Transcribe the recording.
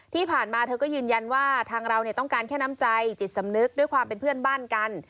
ที่ผ่านมาเธอก็ยืนยันว่าทางเราต้องการแค่น้ำใจจิตสำนึกด้วยความเป็นเพื่อนบ้านกัน